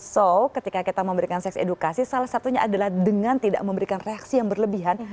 so ketika kita memberikan seks edukasi salah satunya adalah dengan tidak memberikan reaksi yang berlebihan